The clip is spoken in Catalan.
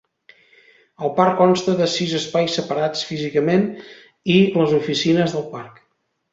El parc consta de sis espais separats físicament i les oficines del parc.